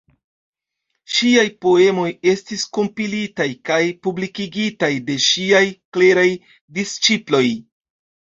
Ŝiaj poemoj estis kompilitaj kaj publikigitaj de ŝiaj kleraj disĉiploj.